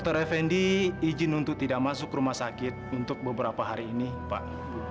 dokter effendi izin untuk tidak masuk rumah sakit untuk beberapa hari ini pak